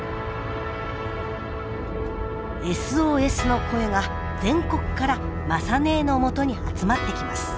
ＳＯＳの声が全国から雅ねえのもとに集まってきます。